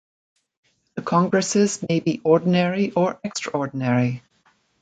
The congresses may be ordinary or extraordinary.